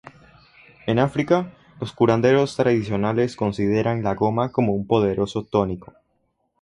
En África, los curanderos tradicionales consideran la goma como un poderoso tónico.